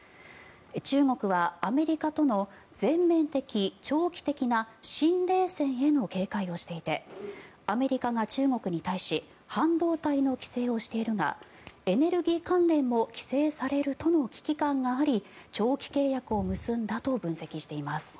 中国はアメリカとの全面的・長期的な新冷戦への警戒をしていてアメリカが中国に対し半導体の規制をしているがエネルギー関連も規制されるとの危機感があり長期契約を結んだと分析しています。